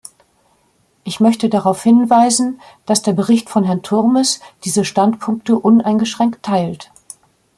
Ich möchte darauf hinweisen, dass der Bericht von Herrn Turmes diese Standpunkte uneingeschränkt teilt.